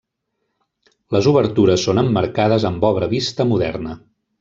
Les obertures són emmarcades amb obra vista moderna.